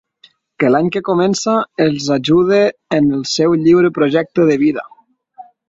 Que l’any que comença els ajude en el seu lliure projecte de vida.